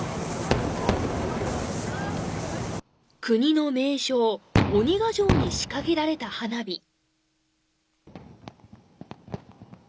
国の名勝鬼ヶ城に仕掛けられた花火。